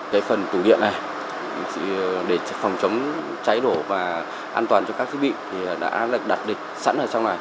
cái phần tủ điện này để phòng chống cháy nổ và an toàn cho các thiết bị thì đã đặt địch sẵn ở trong này